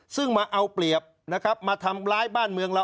ซึ่งมาเอาเปรียบนะครับมาทำร้ายบ้านเมืองเรา